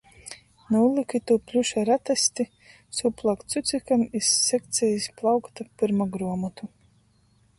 Nūlīku itū pļuša ratesti sūplok cucikam iz sekcejis plaukta pyrma gruomotu.